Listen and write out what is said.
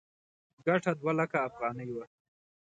ګټه دوه لکه افغانۍ وه.